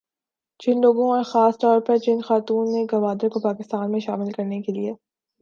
جن لوگوں اور خاص طور پر جن خاتون نے گوادر کو پاکستان میں شامل کرنے کے لیے